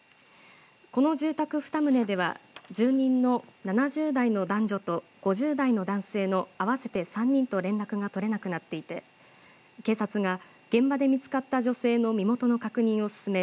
この住宅２棟では住人の７０代の男女と５０代の男性の合わせて３人と連絡が取れなくなっていて警察が現場で見つかった女性の身元の確認を進め